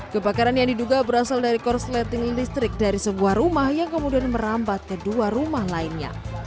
kebakaran yang diduga berasal dari korsleting listrik dari sebuah rumah yang kemudian merambat ke dua rumah lainnya